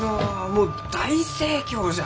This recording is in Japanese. もう大盛況じゃ。